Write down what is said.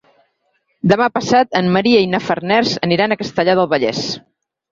Demà passat en Maria i na Farners aniran a Castellar del Vallès.